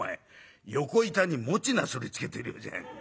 横板に餅なすりつけてるようじゃねえ。